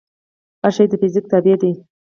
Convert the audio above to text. هر شی د فزیک تابع دی.